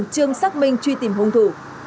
trường xác minh truy tìm hôn thủ